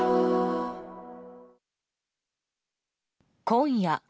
今夜。